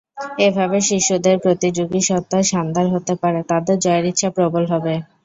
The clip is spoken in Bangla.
এভাবে শিশুদের প্রতিযোগী সত্তা শাণদার হতে পারে, তাদের জয়ের ইচ্ছা প্রবল হবে।